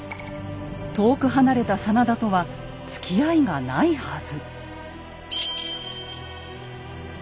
遠く離れた真田とはつきあいがないはず。